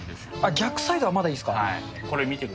逆サイドはまだいいですか？